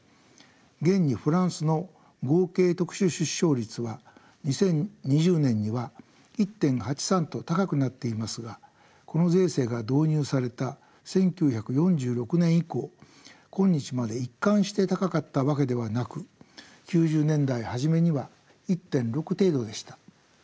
現にフランスの合計特殊出生率は２０２０年には１．８３と高くなっていますがこの税制が導入された１９４６年以降今日まで一貫して高かったわけではなく９０年代初めには１．６程度でした。